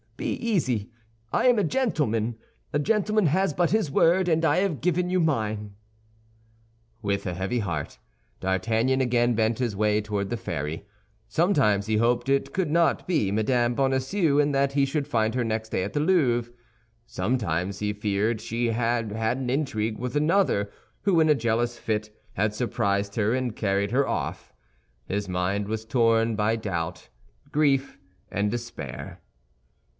Be easy, I am a gentleman. A gentleman has but his word, and I have given you mine." With a heavy heart, D'Artagnan again bent his way toward the ferry. Sometimes he hoped it could not be Mme. Bonacieux, and that he should find her next day at the Louvre; sometimes he feared she had had an intrigue with another, who, in a jealous fit, had surprised her and carried her off. His mind was torn by doubt, grief, and despair.